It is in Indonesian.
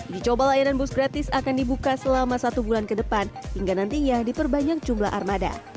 dicoba layanan bus gratis akan dibuka selama satu bulan ke depan hingga nantinya diperbanyak jumlah armada